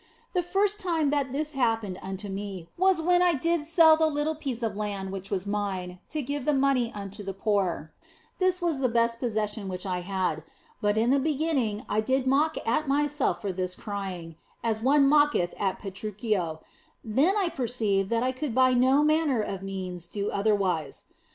The first time that this happened unto me was when I did sell the little piece of land which was mine to give the money unto the poor (this was the best possession which I had), but in the be ginning I did mock at myself for this crying, as one mocketh OF FOLIGNO 13 at Petruccio ; 1 then I perceived that I could by no manner of means do otherwise.